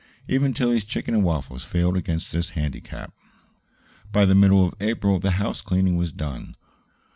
Even Tillie's chicken and waffles failed against this handicap. By the middle of April the house cleaning was done.